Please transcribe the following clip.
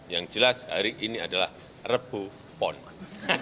yang jelas hari ini adalah rabu pondan